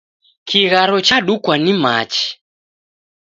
Kigharo chadukwa ni machi.